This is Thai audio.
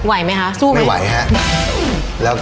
ไหวมั้ยคะสู้ม่อนไหวคะไม่ไหว